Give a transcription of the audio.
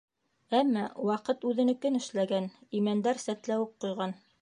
Әммә ваҡыт үҙенекен эшләгән: имәндәр сәтләүек ҡойған